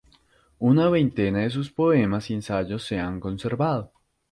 Una veintena de sus poemas y ensayos se han conservado.